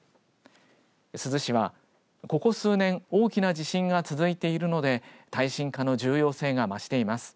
珠洲市は、ここ数年大きな地震が続いているので耐震化の重要性が増しています。